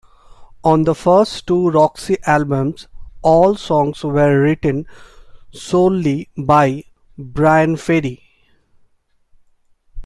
On the first two Roxy albums, all songs were written solely by Bryan Ferry.